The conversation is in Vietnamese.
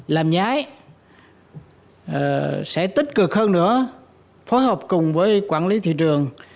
làm nhái sẽ tích cực hơn nữa phối hợp cùng với quản lý thị trường